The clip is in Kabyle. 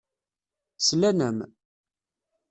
Slan-am.